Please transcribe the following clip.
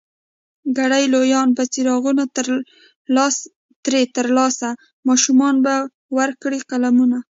کړي لویان به څراغونه ترې ترلاسه، ماشومانو ته به ورکړي قلمونه